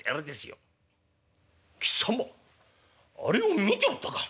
「貴様あれを見ておったか。